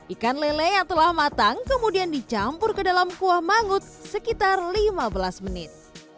ikan lele yang telah matang kemudian dicampur ke dalam kuah mangut sekitar lima belas menit